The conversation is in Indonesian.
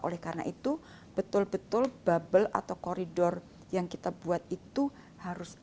oleh karena itu betul betul bubble atau koridor yang kita buat itu harus